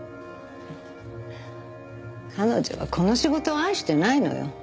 彼女はこの仕事を愛してないのよ。